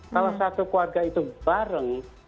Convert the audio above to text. kalau satu keluarga itu bareng